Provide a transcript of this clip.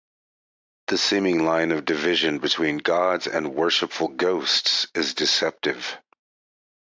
The seeming line of division between gods and worshipful ghosts is deceptive.